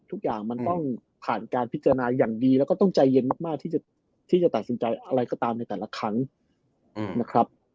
ทุกอย่างมันต้องผ่านการพิจารณาอย่างดีแล้วก็ต้องใจเย็นมากที่จะตัดสินใจอะไรก็ตามในแต่ละครั้งนะครับ